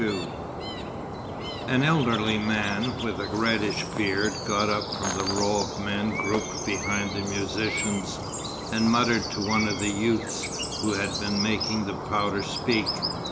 XXII An elderly man, with a reddish beard, got up from the row of men grouped behind the musicians, and muttered to one of the youths who had been making the powder speak.